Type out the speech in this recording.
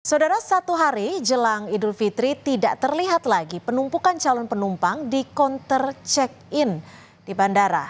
saudara satu hari jelang idul fitri tidak terlihat lagi penumpukan calon penumpang di counter check in di bandara